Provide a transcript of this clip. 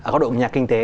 có đội nhà kinh tế